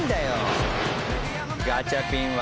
「ガチャピンは。